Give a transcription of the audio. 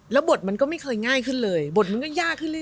แล้วบทมันก็ไม่เคยง่ายขึ้นเลยบทมันก็ยากขึ้นเรื